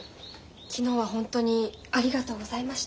昨日はホントにありがとうございました。